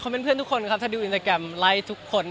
ก็คอมเม้นต์เพื่อนทุกคนครับถ้าดูอินเตอร์แกรมไลค์ทุกคน